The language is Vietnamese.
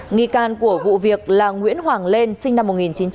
nghi can của vụ việc là nguyễn hoàng lên sinh năm một nghìn chín trăm tám mươi